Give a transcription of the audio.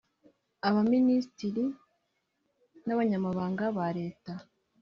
abaminisitiri n abanyamabanga ba leta